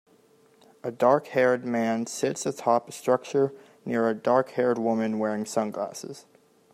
A darkhaired man sits atop a structure near a darkhaired woman wearing sunglasses.